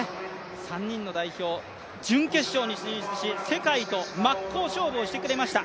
３人の代表、準決勝に進出し、世界と真っ向勝負をしてくれました。